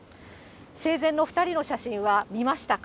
生前の２人の写真は見ましたか？